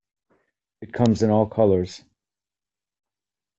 It comes in all colors.